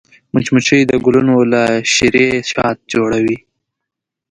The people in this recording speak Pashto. مچمچۍ د ګلونو له شيرې شات جوړوي